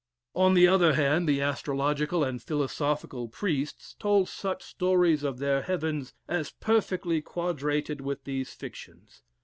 "On the other hand, the astrological and philosophical priests told such stories of their heavens as perfectly quadrated with these fictions.